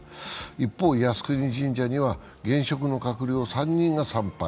一方、靖国神社には現職の閣僚３人が参拝。